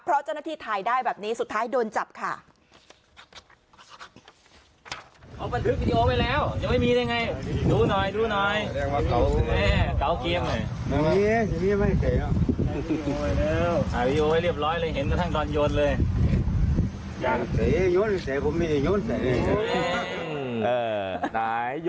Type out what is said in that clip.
เพราะเจ้าหน้าที่ถ่ายได้แบบนี้สุดท้ายโดนจับค่ะ